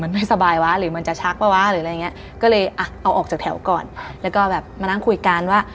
มีวัฒนาประจำตัว